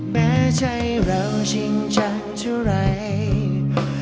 แม้ใจเราจริงจังเท่าไหร่